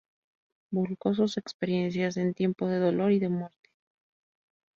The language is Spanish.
Volcó sus experiencias en "Tiempo de dolor y de muerte".